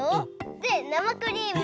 でなまクリーム。